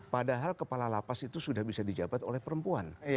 padahal kepala lapas itu sudah bisa dijabat oleh perempuan